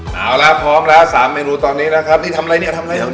เอาละพร้อมแล้ว๓เมนูตอนนี้นะครับนี่ทำอะไรเนี่ยทำอะไร